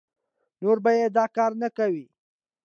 نور بيا دا کار نه کوي